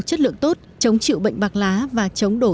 chất lượng tốt chống chịu bệnh bạc lá và chống đổ